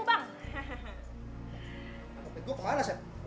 tempet gua kemana sep